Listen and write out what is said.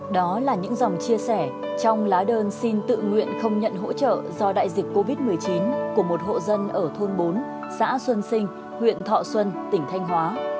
đó là những dòng chia sẻ trong lá đơn xin tự nguyện không nhận hỗ trợ do đại dịch covid một mươi chín của một hộ dân ở thôn bốn xã xuân sinh huyện thọ xuân tỉnh thanh hóa